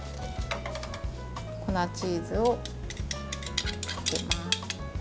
粉チーズをかけます。